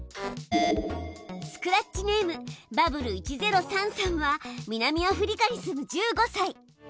スクラッチネームｂｕｂｂｌｅ１０３さんは南アフリカに住む１５さい。